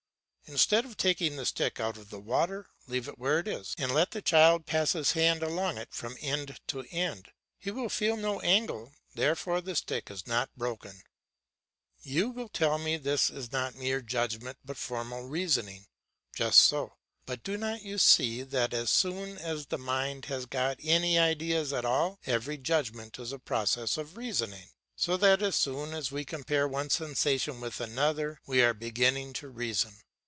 Instead of taking the stick out of the water, leave it where it is and let the child pass his hand along it from end to end; he will feel no angle, therefore the stick is not broken. You will tell me this is not mere judgment but formal reasoning. Just so; but do not you see that as soon as the mind has got any ideas at all, every judgment is a process of reasoning? So that as soon as we compare one sensation with another, we are beginning to reason.